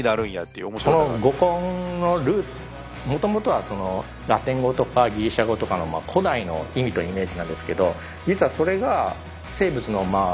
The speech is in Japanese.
この語根のルーツもともとはそのラテン語とかギリシャ語とかの古代の意味とイメージなんですけど実はそれが生物のまあ